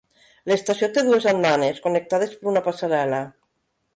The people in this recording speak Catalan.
L'estació té dues andanes, connectades per una passarel·la.